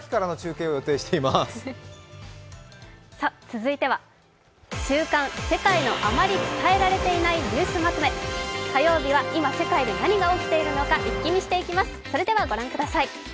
続いては「週刊世界のあまり伝えられていないニュースまとめ」火曜日は、今世界で何が起きているのか一気見していきます。